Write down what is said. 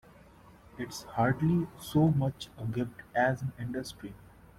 It's hardly so much a gift as an industry.